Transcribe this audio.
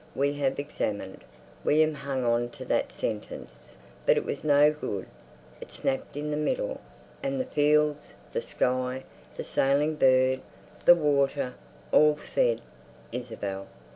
"We have examined...." William hung on to that sentence, but it was no good; it snapped in the middle, and the fields, the sky, the sailing bird, the water, all said, "Isabel."